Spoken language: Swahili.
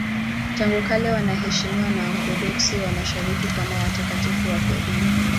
Tangu kale wanaheshimiwa na Waorthodoksi wa Mashariki kama watakatifu wafiadini.